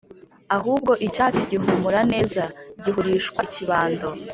ahubwo icyatsi gihumura neza gihurishwa ikibando